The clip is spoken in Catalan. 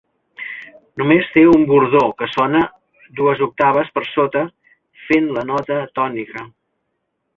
Només té un bordó que sona dues octaves per sota, fent la nota tònica.